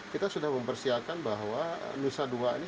kita sudah mempersiapkan bahwa denusa ii ini